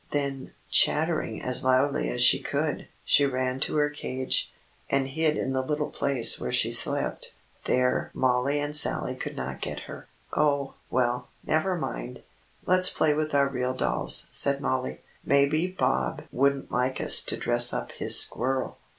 Then, chattering as loudly as she could, she ran to her cage, and hid in the little place where she slept. There Mollie and Sallie could not get her. "Oh, well, never mind. Let's play with our real dolls," said Mollie. "Maybe Bob wouldn't like us to dress up his squirrel."